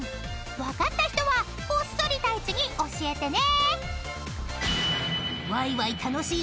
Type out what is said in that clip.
［分かった人はこっそり太一に教えてね］